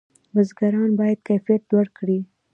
بزګران باید کیفیت لوړ کړي.